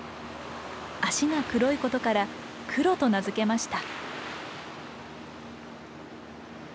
脚が黒いことから「クロ」と名付けました。